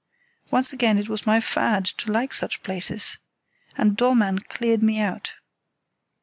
Once again, it was my fad to like such places, and Dollmann cleared me out.